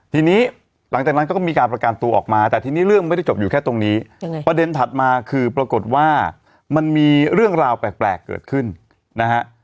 ทีนี้หลังจากนั้นก็มีการประกันตัวออกมาแต่ทีนี้เรื่องไม่ได้จบอยู่แค่ตรงนี้ประเด็นถัดมาคือปรากฏว่ามันมีเรื่องราวแปลกเกิดขึ้นนะฮะ